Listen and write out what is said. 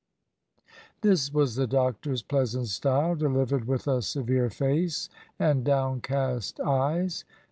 This was the doctor's pleasant style, delivered with a severe face and downcast eyes.